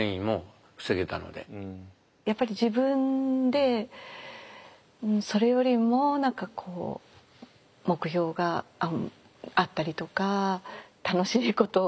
やっぱり自分でそれよりも何かこう目標があったりとか楽しいことを考えたりとか。